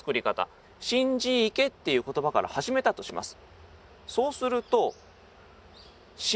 「心字池」っていう言葉から始めたとします。